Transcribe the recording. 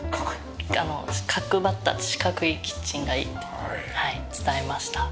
あの角張った四角いキッチンがいいと伝えました。